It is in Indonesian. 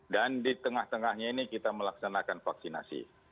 dan di tengah tengahnya ini kita melaksanakan vaksinasi